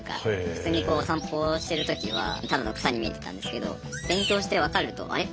普通に散歩してる時はただの草に見えてたんですけど勉強して分かるとあれ？